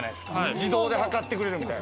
自動で測ってくれるみたいな。